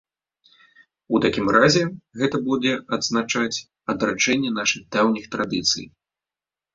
У такім разе, гэта будзе азначаць адраджэнне нашых даўніх традыцый.